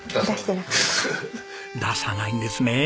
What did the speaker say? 出さないんですね。